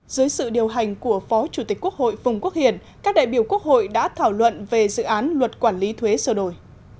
dưới sự điều hành của phó chủ tịch quốc hội phùng quốc hiển các đại biểu quốc hội đã thảo luận về dự án luật quản lý thuế sơ đổi